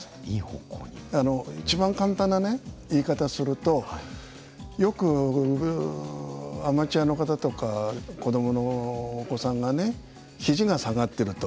一番簡単なね言い方するとよくアマチュアの方とか子供のお子さんがねひじが下がってると。